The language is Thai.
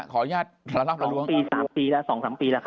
ขออนุญาตทั้งละประดวงสองปีสามปีแล้วสองสามปีแล้วครับ